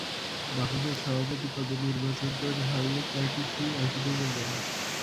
বাফুফের সভাপতি পদে নির্বাচন করে হারলে তাঁর কিছুই আসবে যাবে না।